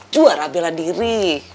juara bela diri